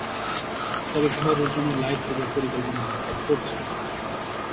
তবে শহরের জন্য লাইট রেলের পরিকল্পনা সরকার করছে।